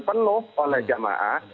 penuh oleh jemaah